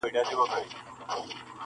پردېسي خواره خواري ده وچوي د زړګي وینه!!